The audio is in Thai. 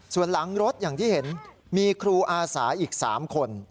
ส่วนหลังรถอย่างที่เห็นมีครูอาสาอีก๓คน